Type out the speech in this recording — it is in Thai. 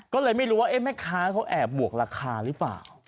ก็เลยไม่รู้ว่าแม่ค้าเขาแอบบวกราคาหรือเปล่า